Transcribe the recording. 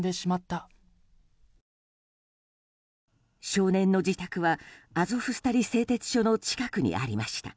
少年の自宅はアゾフスタリ製鉄所の近くにありました。